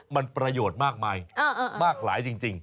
มันประโยชน์มากมายมากหลายจริง